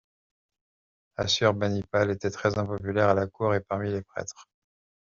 Assurbanipal était très impopulaire à la cour et parmi les prêtres.